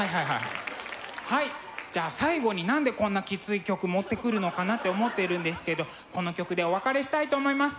じゃあ最後に何でこんなきつい曲持ってくるのかなって思っているんですけどこの曲でお別れしたいと思います。